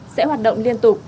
sẽ hoạt động liên tục